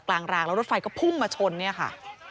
รางแล้วรถไฟก็พุ่งมาชนเนี่ยค่ะ